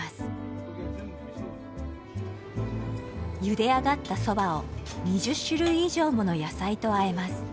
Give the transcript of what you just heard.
ゆで上がったそばを２０種類以上もの野菜とあえます。